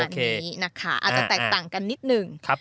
ก็อาจจะแตกต่างกันนิดหนึ่ง